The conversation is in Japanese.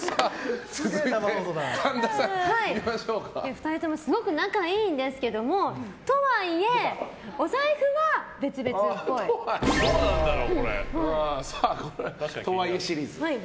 ２人ともすごく仲いいんですけどもとはいえ、お財布は別々っぽい。とはいえシリーズ。